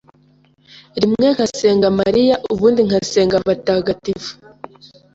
rimwe nkasenga Mariya ubundi nkasenga abatagatifu.